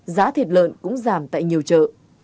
giá thịt lợn cũng giảm tại nhiều chợ